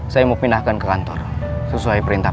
saya mau pindahkan ke kantor sesuai perintah